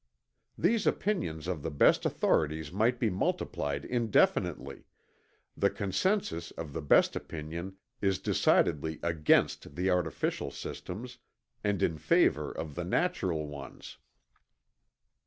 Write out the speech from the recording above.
These opinions of the best authorities might be multiplied indefinitely the consensus of the best opinion is decidedly against the artificial systems, and in favor of the natural ones.